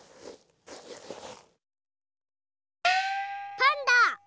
パンダ！